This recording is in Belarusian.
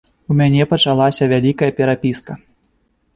У мяне пачалася вялікая перапіска.